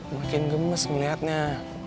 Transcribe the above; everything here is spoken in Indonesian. makin gemes melihatnya